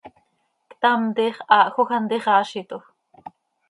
Ctam tiix haahjoj hant ixaazitoj.